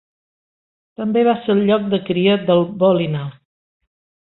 També va ser el lloc de cria del "Bulinaw".